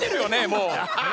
もう。